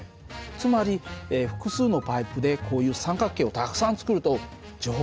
つまり複数のパイプでこういう三角形をたくさん作ると丈夫になるんだね。